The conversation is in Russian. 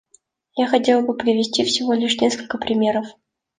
Я хотел бы привести всего лишь несколько примеров.